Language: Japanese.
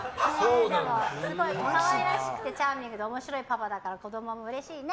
すごく可愛らしくてチャーミングで面白いパパだから子供もうれしいね！